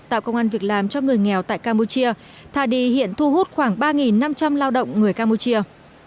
tạo công an việc làm cho người nghèo tại campuchia tha đi hiện thu hút khoảng ba năm trăm linh lao động người campuchia